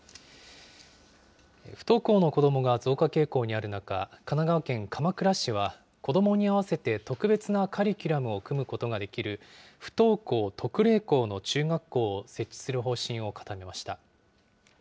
不登校の子どもが増加傾向にある中、神奈川県鎌倉市は、子どもに合わせて特別なカリキュラムを組むことができる不登校特例校の中学校を設置する方針を固めました。